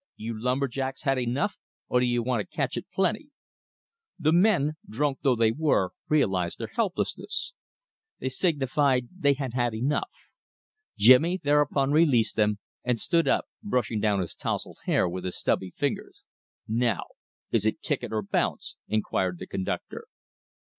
"You lumber jacks had enough, or do you want to catch it plenty?" The men, drunk though they were, realized their helplessness. They signified they had had enough. Jimmy thereupon released them and stood up, brushing down his tousled hair with his stubby fingers. "Now is it ticket or bounce?" inquired the conductor.